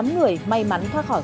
tám người may mắn thoát khỏi